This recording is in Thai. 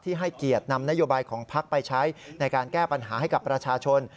ให้เกียรตินำนโยบายของพักไปใช้ในการแก้ปัญหาให้กับประชาชน